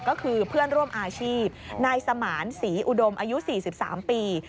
ก็คือเพื่อนร่วมอาชีพนายสมานศรีอุดมอายุ๔๓ปี